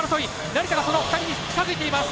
成田が２人に近づいています。